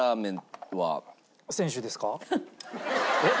えっ？